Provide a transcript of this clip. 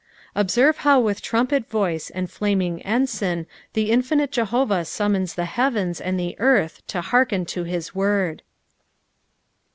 Observe how with trumpet voice and flaming ensign the infinite Jehovah Bummons the heavens and the earth to hearken to his word.